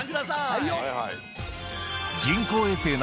はいよ。